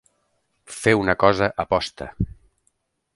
Fer una cosa a posta.